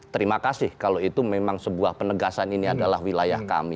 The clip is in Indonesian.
terima kasih kalau itu memang sebuah penegasan ini adalah wilayah kami